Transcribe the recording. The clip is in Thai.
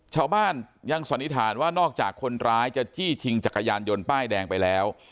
ชาวบ้านยังสันนิษฐานว่านอกจากคนร้ายจะจี้ชิงจักรยานยนต์ป้ายแดงไปแล้ว